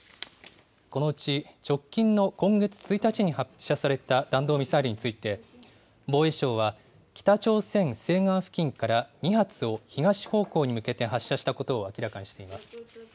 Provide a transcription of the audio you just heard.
このうち直近の今月１日に発射された弾道ミサイルについて、防衛省は、北朝鮮西岸付近から２発を東方向に向けて発射したことを明らかにしています。